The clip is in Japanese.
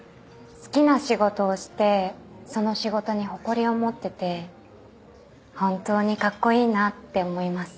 好きな仕事をしてその仕事に誇りを持ってて本当にカッコイイなって思います。